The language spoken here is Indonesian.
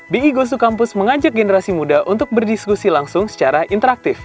bi gosu kampus mengajak generasi muda untuk berdiskusi langsung secara interaktif